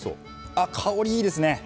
あっ香りいいですね。